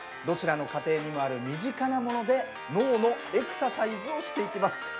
どちらの家庭にもある身近なもので脳のエクササイズをしていきます。